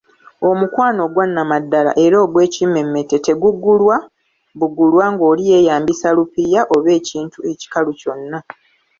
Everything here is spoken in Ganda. Omukwano ogwannamaddala era ogw’ekimmemmette tegugulwa bugulwa ng’oli yeeyambisa lupiiya oba ekintu ekikalu kyonna.